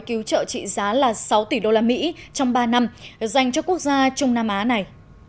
cứu trợ trị giá là sáu tỷ đô la mỹ trong ba năm dành cho quốc gia trung nam á này